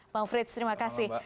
bang frits terima kasih